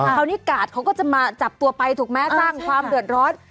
คราวนี้กาดเขาก็จะมาจับตัวไปถูกไหมสร้างความเดือดร้อน